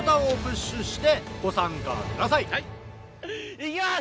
行きます！